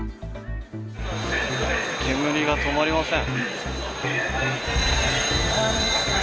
煙が止まりません。